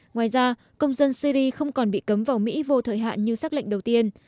ngoài ra công dân syri không còn bị cấm vào mỹ vô thời hạn như xác lệnh đầu tiên